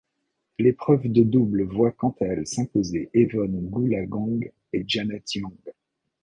L'épreuve de double voit quant à elle s'imposer Evonne Goolagong et Janet Young.